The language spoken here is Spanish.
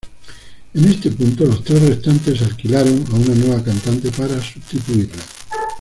En este punto los tres restantes "alquilaron" a una nueva cantante para sustituirla.